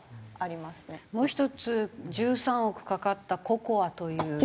もう１つ１３億かかったＣＯＣＯＡという。